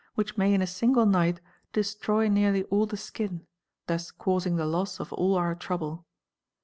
which may in a single night estroy nearly all the skin,—thus causing the loss of all our trouble.